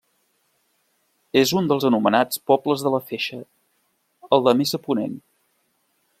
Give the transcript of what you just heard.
És un dels anomenats pobles de la Feixa, el de més a ponent.